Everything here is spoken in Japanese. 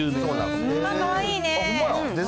かわいいね。